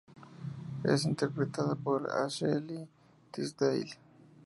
Es interpretada por Ashley Tisdale.